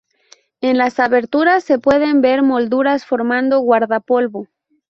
En las aberturas se pueden ver molduras formando guardapolvo.